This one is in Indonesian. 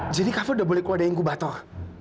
jadi kava udah boleh keluar dari inkubator